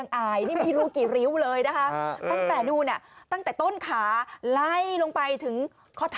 สายอี้ยังทรงศูนย์